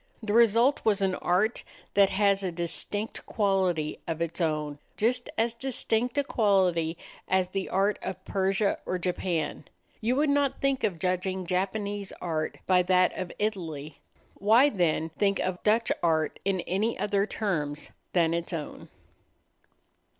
The result was an art that has a distinct quality of its own just as distinct a quality as the art of Persia or Japan. You would not think of judging Japanese art by that of Italy. Why then think of Dutch art in any other terms than its own?